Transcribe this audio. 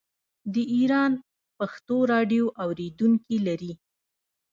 د ایران پښتو راډیو اوریدونکي لري.